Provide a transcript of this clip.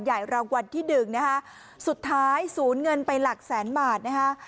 ใหญ่รางวัลที่ดึงสุดท้ายศูนย์เหินไปหลักแสนบาทนะคะ